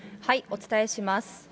お伝えします。